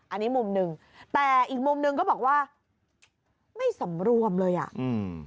อันนี้มุมหนึ่งแต่อีกมุมหนึ่งก็บอกว่าไม่สำรวมเลยอ่ะอืม